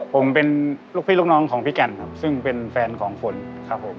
ผมเป็นลูกพี่ลูกน้องของพี่กันครับซึ่งเป็นแฟนของฝนครับผม